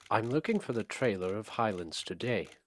I'm looking for the trailer of Highlands Today